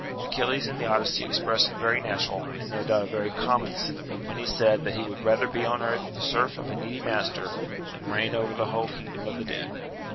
Achilles in the Odyssey expressed a very natural, and no doubt a very common, senti ment, when he said that he would rather be on earth the serf of a needy master, than reign over the whole kingdom of the dead.